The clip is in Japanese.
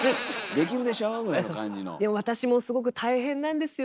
も私もすごく大変なんですよ